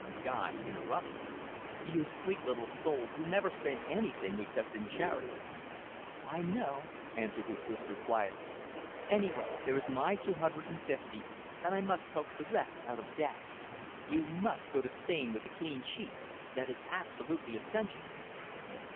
Guy interrupted. "You sweet little soul, you never spend anything except in charities." "I know," answered his sister quietly. "Anyway, there is my two hundred and fifty, and I must coax the rest out of dad. You must go to Spain with a clean sheet. That is absolutely essential."